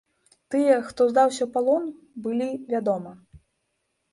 Тыя, хто здаўся ў палон, былі, вядома.